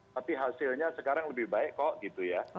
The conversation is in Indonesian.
tapi hasilnya sekarang lebih baik kok gitu ya